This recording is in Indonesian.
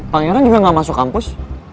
pangeran juga gak masuk kampus